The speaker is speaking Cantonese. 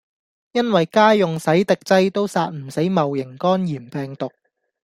因為家用洗滌劑都殺唔死戊型肝炎病毒